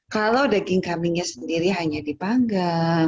kalau daging kambingnya sendiri hanya dipanggang